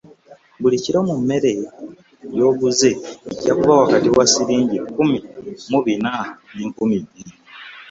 Buli kkiro ku mmere gy’oguze ejja kuba wakati wa sirinji lukumi mu bina n'enkumi bbiri.